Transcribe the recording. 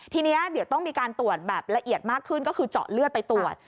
ทีนี้เดี๋ยวต้องมีการตรวจแบบละเอียดมากขึ้นก็คือเจาะเลือดไปตรวจ